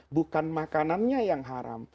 bukan makanannya yang haram